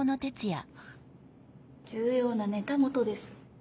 重要なネタ元です。